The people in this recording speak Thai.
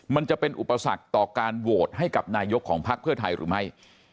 มันจะเป็นอุปสรรคต่อการโหวตให้กับนายกของพักเพื่อไทยหรือไม่